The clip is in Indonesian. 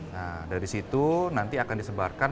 nah dari situ nanti akan disebarkan